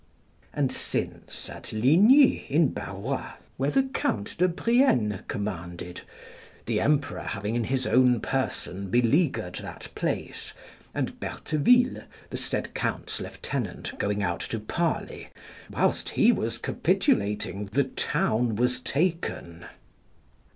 And since, at Ligny, in Barrois, where the Count de Brienne commanded, the emperor having in his own person beleaguered that place, and Bertheville, the said Count's lieutenant, going out to parley, whilst he was capitulating the town was taken.